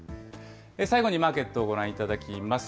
最後にマーケットをご覧いただきます。